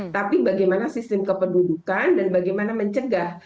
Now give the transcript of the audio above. tapi bagaimana sistem kependudukan dan bagaimana mencegah